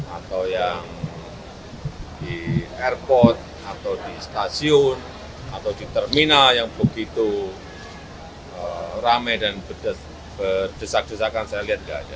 atau yang di airport atau di stasiun atau di terminal yang begitu rame dan berdesak desakan saya lihat nggak ada